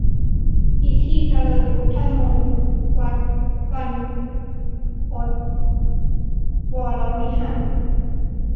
พิธีเจริญพระพุทธมนต์ วัดบรรพตวรวิหาร